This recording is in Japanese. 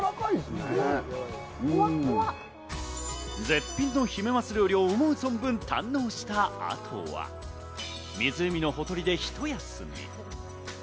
絶品のヒメマス料理を思う存分堪能した後は、湖のほとりで、ひと休み。